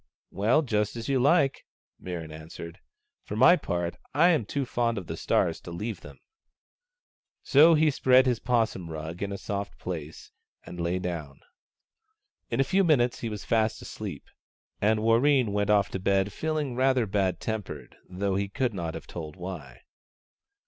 " Well, just as you like," Mirran answered. " For my part, I am too fond of the stars to leave them." So he spread his 'possum rug in a soft place, and MIRRAN AND WARREEN 155 lay down. In a few minutes he was fast asleep, and Warreen went off to bed feeling rather bad tempered, though he could not have told why.